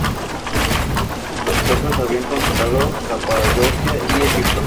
Los persas habían conquistado Capadocia y Egipto.